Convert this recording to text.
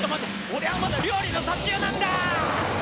俺はまだ料理の途中なんだ！